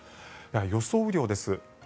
予想雨量です。